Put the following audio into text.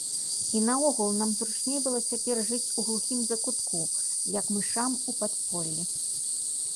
І наогул нам зручней было цяпер жыць у глухім закутку, як мышам у падполлі.